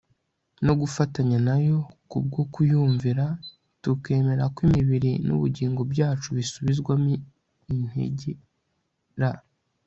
no gufatanya na yo kubwo kuyumvira tukemera ko imibiri n'ubugingo byacu bisubizwamo integer